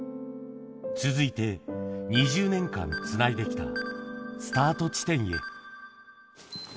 続いて、２０年間つないできたスタート地点へ。